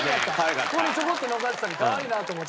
ここにちょこっと残ってたのかわいいなと思って。